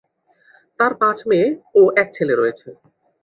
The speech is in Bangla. তার পাঁচ মেয়ে ও এক ছেলে রয়েছে।